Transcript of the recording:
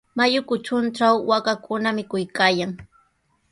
Mayu kutruntraw waakakuna mikuykaayan.